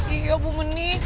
iya bu menik